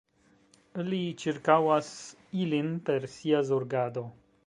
Li ĉirkaŭas ilin per Sia zorgado.